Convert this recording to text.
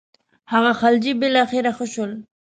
هغه خلجي بالاخره څه شول.